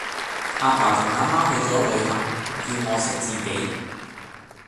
阿爸同阿媽去左旅行，叫我食自己